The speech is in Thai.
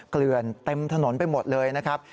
เกลือนเต็มถนนไปหมดเลยนะครับ